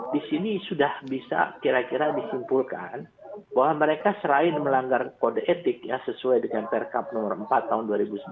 di sini sudah bisa kira kira disimpulkan bahwa mereka selain melanggar kode etik ya sesuai dengan perkab nomor empat tahun dua ribu sembilan belas